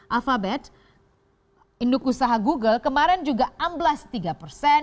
alfabet induk usaha google kemarin juga amblas tiga persen